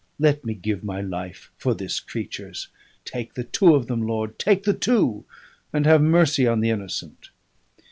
Let me give my life for this creature's; take the two of them, Lord! take the two, and have mercy on the innocent!"